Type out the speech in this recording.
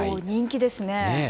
人気ですね。